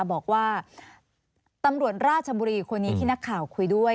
บอกว่าตำรวจราชบุรีคนนี้ที่นักข่าวคุยด้วย